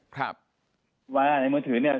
ครับว่าในมือถือเนี่ย